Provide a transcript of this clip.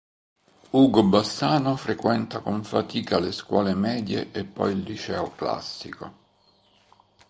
Ugo Bassano frequenta con fatica le scuole medie e poi il liceo classico.